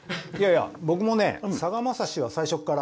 僕もね、さがまさしは最初から。